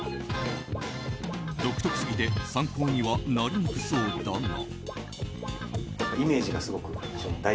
独特すぎて参考にはならなそうだが。